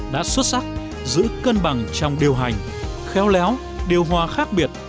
đã xuất sắc giữ cân bằng trong điều hành khéo léo điều hòa khác biệt